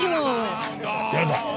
やだ。